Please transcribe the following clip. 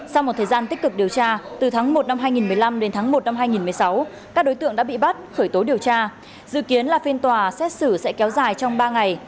sau một thời gian tích cực điều tra từ tháng một năm hai nghìn một mươi năm đến tháng một năm hai nghìn một mươi sáu các đối tượng đã bị bắt khởi tố điều tra dự kiến là phiên tòa xét xử sẽ kéo dài trong ba ngày